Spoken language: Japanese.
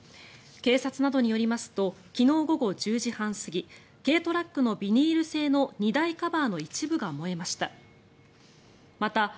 警察などによりますと昨日午後１０時半過ぎ軽トラックのビニール製の荷台カバーの一部が燃えました。